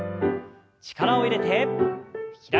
力を入れて開きます。